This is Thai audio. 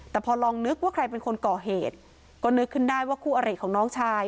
แต่พอลองนึกว่าใครเป็นคนก่อเหตุก็นึกขึ้นได้ว่าคู่อริของน้องชาย